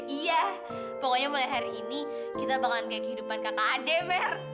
iya pokoknya mulai hari ini kita bakalan kayak kehidupan kakak ade ver